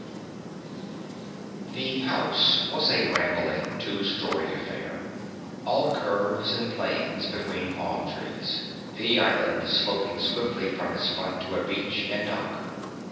V The house was a rambling two story affair, all curves and planes between palm trees, the island sloping swiftly from its front to a beach and dock.